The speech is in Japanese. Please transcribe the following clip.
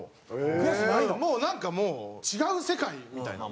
もうなんか違う世界みたいな。